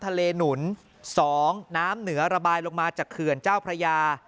น้ำทะเลหนุนสองน้ำเหนือระบายลงมาจากเคลื่อนเจ้าพระยา